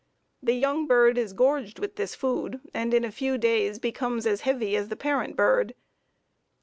The young bird is gorged with this food, and in a few days becomes as heavy as the parent bird.